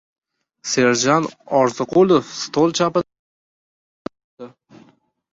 Serjant Orziqulov stol chapidan yonbosh bo‘lib yurdi.